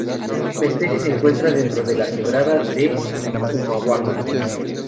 La especie se encuentra dentro de la Quebrada de Humahuaca.